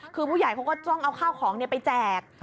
คือผู้ใหญ่เขาก็ต้องเอาข้าวของไปแจก